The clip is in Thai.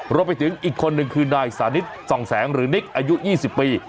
รวมไปถึงอีกคนนึงคือนายสานิทส่องแสงหรือนิกอายุ๒๐ปี